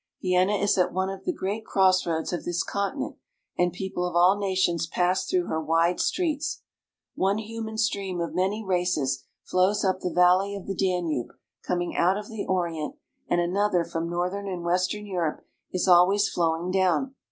Vienna is at one of the great crossroads of this conti nent, and people of all nations pass through her wide streets. One human stream of many races flows up the valley of the Danube, coming out of the Orient, and an other from northern and western Europe is always flowing 286 AUSTRIA HUNGARY. down.